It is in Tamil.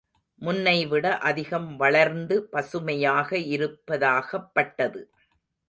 முன்னைவிட அதிகம் வளர்ந்து பசுமையாக இருப்பதாகப்பட்டது.